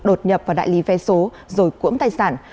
đột nhập vào đại lý vé số rồi cưỡng tài sản